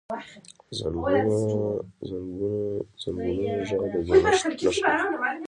د زنګونونو ږغ د زړښت نښه ده.